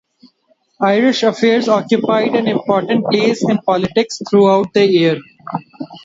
Irish affairs occupied an important place in politics throughout the year.